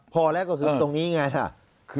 พอแล้วก็คือตรงนี้ไง